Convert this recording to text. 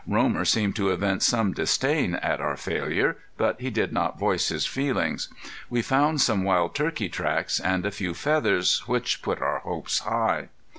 Romer seemed to evince some disdain at our failure, but he did not voice his feelings. We found some wild turkey tracks, and a few feathers, which put our hopes high.